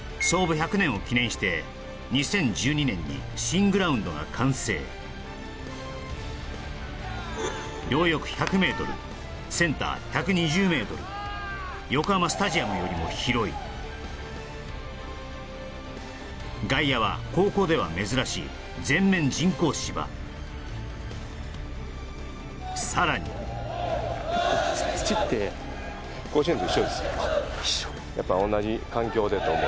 １００年を記念して２０１２年に新グラウンドが完成両翼１００ｍセンター１２０ｍ横浜スタジアムよりも広い外野は高校では珍しい全面人工芝さらに土ってあっ一緒